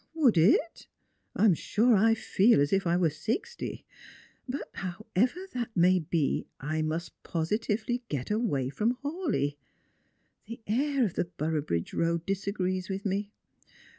" Would it ? I am sure I feel as if I were sixty. But how ever that may be, I must positively get away from Hawleigh. The air of the Boroughbridge road disagrees with me.